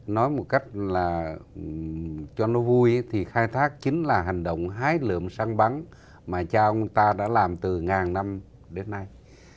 nói một cách là cho nó vui thì khai thác chính là hành động hái lượm săn bắn mà cha ông ta đã làm từ ngàn năm đến nay